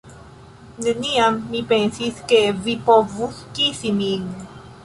Neniam mi pensis, ke vi povus kisi min.